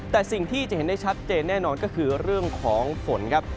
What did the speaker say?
แต่สิ่งที่จะเห็นได้ชัดเจนแน่นอนก็คือเรื่องของฝนครับ